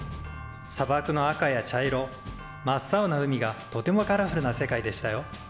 さばくの赤や茶色真っ青な海がとてもカラフルな世界でしたよ。